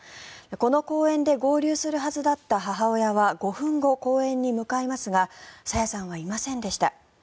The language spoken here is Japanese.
この公園で合流するはずだった母親は５分後、公園に向かいますが朝芽さんはいませんでした。